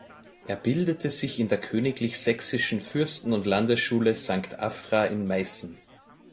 Er bildete sich in der Königlich Sächsischen Fürsten- und Landesschule Sankt Afra in Meissen.